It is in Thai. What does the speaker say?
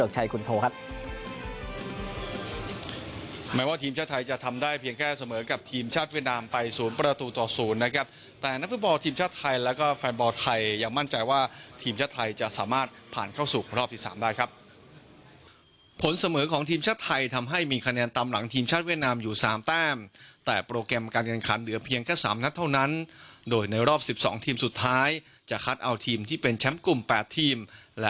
จะทำได้เพียงแค่เสมอกับทีมชาติเวียดนามไปศูนย์ประตูต่อศูนย์นะครับแต่นักฟื้นบอลทีมชาติไทยแล้วก็แฟนบอลไทยอย่างมั่นใจว่าทีมชาติไทยจะสามารถผ่านเข้าสู่รอบที่สามได้ครับผลเสมอของทีมชาติไทยทำให้มีคะแนนตำหลังทีมชาติเวียดนามอยู่สามแต้มแต่โปรแกรมการเงินคันเหลือ